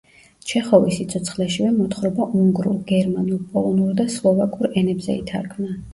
ჩეხოვის სიცოცხლეშივე მოთხრობა უნგრულ, გერმანულ, პოლონურ და სლოვაკურ ენებზე ითარგმნა.